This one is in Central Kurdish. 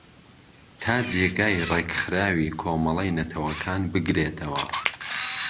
تا جێگای ریکخراوی کۆمەلەی نەتەوەکان بگرێتەوە